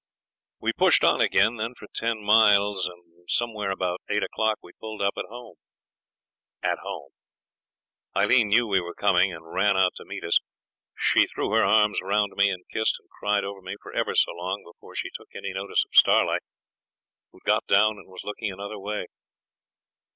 We pushed on again, then, for ten miles, and somewhere about eight o'clock we pulled up at home at home. Aileen knew we were coming, and ran out to meet us. She threw her arms round me, and kissed and cried over me for ever so long before she took any notice of Starlight, who'd got down and was looking another way.